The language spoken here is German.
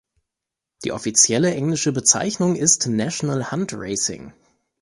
Die offizielle englische Bezeichnung ist „National Hunt Racing“.